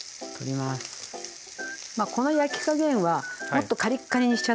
まあこの焼き加減はもっとカリッカリにしちゃってもいいですよ。